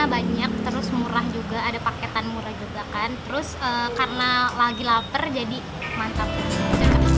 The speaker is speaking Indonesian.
banyak terus murah juga ada paketan murah juga kan terus karena lagi lapar jadi mantap